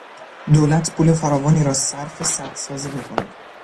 دولت پول فراوانی را صرف سد سازی میکند.